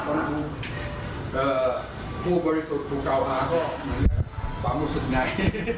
ตอนนี้ผู้บริสุทธิ์ถูกเกาหาความรู้สึกไหน